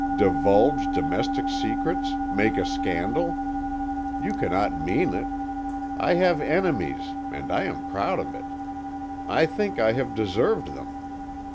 Divulge domestic secrets, make a scandal! You cannot mean it. I have enemies, and I am proud of it. I think I have deserved them.